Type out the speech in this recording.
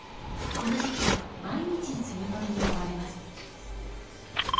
この時期毎日摘み取りに追われます。